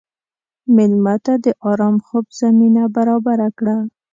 مېلمه ته د ارام خوب زمینه برابره کړه.